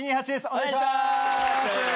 お願いします。